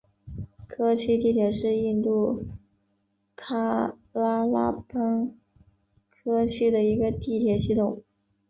科契地铁是印度喀拉拉邦科契的一个地铁系统。